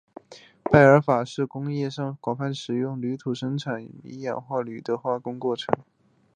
拜耳法是一种工业上广泛使用的从铝土矿生产氧化铝的化工过程。